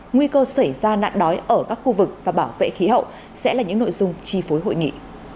nguy cơ xảy ra nạn đói ở các khu vực và bảo vệ khí hậu sẽ là những nội dung chi phối hội nghị